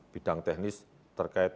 bidang teknis terkait